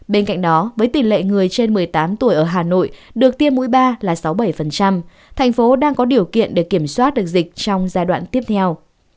bên cạnh đó với tỷ lệ người trên một mươi tám tuổi ở hà nội được tiêm mũi ba là sáu mươi bảy thành phố đang có điều kiện để kiểm soát được dịch trong giai đoạn tiếp theo